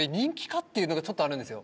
っていうのがちょっとあるんですよ。